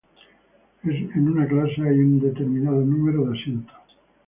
En una clase hay un determinado número de asientos.